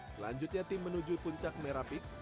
selanjutnya tim menuju puncak merah peak